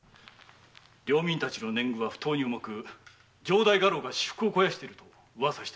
領民たちの年貢は不当に重く城代家老が私腹を肥やしているとウワサしております。